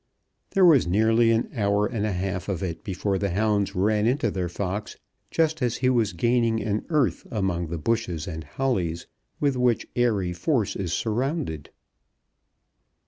There was nearly an hour and a half of it before the hounds ran into their fox just as he was gaining an earth among the bushes and hollies with which Airey Force is surrounded.